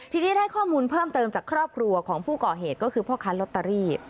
ทีนี้ได้ข้อมูลเพิ่มเติมจากครอบครัวของผู้ก่อเหตุก็คือพ่อค้าลอตเตอรี่